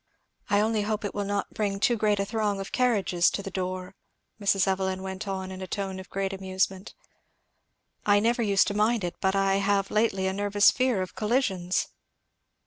"I only hope it will not bring too great a throng of carriages to the door," Mrs. Evelyn went on in a tone of great internal amusement; "I never used to mind it, but I have lately a nervous fear of collisions."